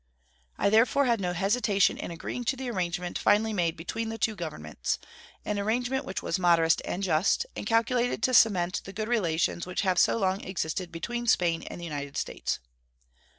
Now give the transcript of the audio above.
I therefore had no hesitation in agreeing to the arrangement finally made between the two Governments an arrangement which was moderate and just, and calculated to cement the good relations which have so long existed between Spain and the United States.